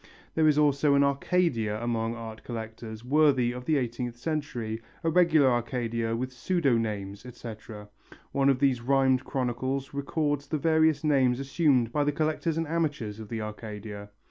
There is also an Arcadia among art collectors, worthy of the eighteenth century, a regular Arcadia with pseudo names, etc. One of these rhymed chronicles records the various names assumed by the collectors and amateurs of the Arcadia.